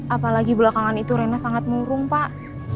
apalagi belakangan itu rena sangat murung pak